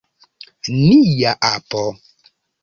Nia apo!